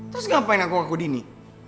terus ngapain aku aku dini